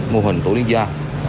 mô hình tổ linh gia